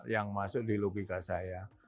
yang masuk di logika saya